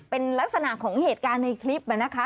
เป็นลักษณะของเหตุการณ์ในคลิปนะคะ